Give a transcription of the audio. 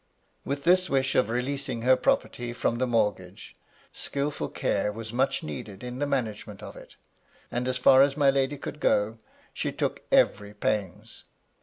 With this wish of releasing her property from the mortgage, skilful care was much needed in the manage ment of it : and as far as my lady could go, she took every pains.